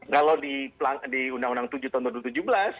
kalau di undang undang tujuh tahun dua ribu tujuh belas